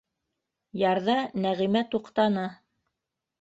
Ярҙа Нәғимә туҡтаны: